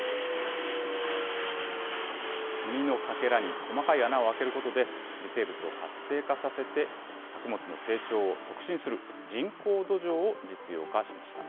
炭のかけらに細かい穴を開けることで、微生物を活性化させて作物の成長を促進する、人工土壌を実用化しました。